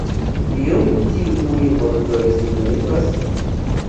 Kion tiuj vortoj signifas?